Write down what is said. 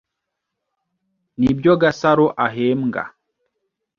Nibyo Gasaro ahembwa.